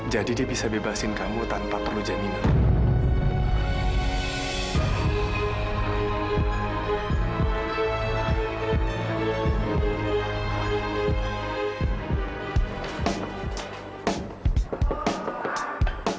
jadi dia bisa bebasin kamu tanpa perlu jaminan